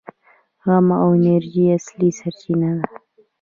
غنم د انرژۍ اصلي سرچینه ده.